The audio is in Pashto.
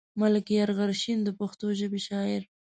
ملکيار غرشين د پښتو ژبې شاعر.